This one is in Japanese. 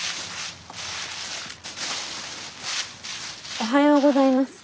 おはようございます。